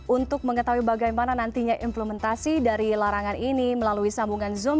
untuk mengetahui bagaimana nantinya implementasi dari larangan ini melalui sambungan zoom